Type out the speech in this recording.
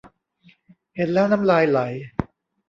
เห็นแล้วน้ำลายไหล